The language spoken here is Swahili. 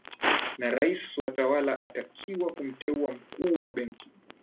na rais watala atakiwa kumteua mkuu wa benki